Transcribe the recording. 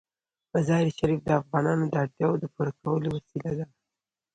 مزارشریف د افغانانو د اړتیاوو د پوره کولو وسیله ده.